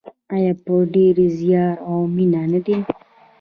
آیا په ډیر زیار او مینه نه دی؟